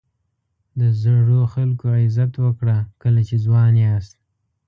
د زړو خلکو عزت وکړه کله چې ځوان یاست.